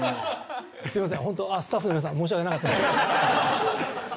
すみませんホントあっスタッフの皆さん申し訳なかったです。